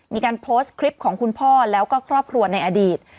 มีการโพสต์คลิปของคุณพ่อแล้วก็ครอบครัวในอดีต